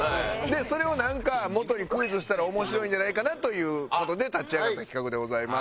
それを元にクイズしたら面白いんじゃないかなという事で立ち上げた企画でございます。